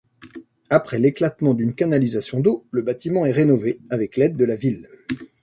Après l'éclatement d'une canalisation d'eau, le bâtiment est rénové avec l'aide de la ville.